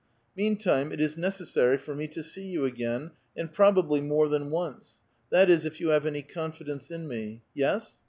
Meantime it is necessary for mo to see you again, and probably more than once ; that is, if yon have any confidence in me. Yes?